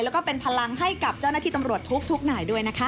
แล้วก็เป็นพลังให้กับเจ้าหน้าที่ตำรวจทุกนายด้วยนะคะ